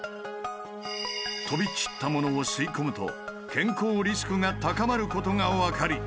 飛び散ったものを吸い込むと健康リスクが高まることが分かり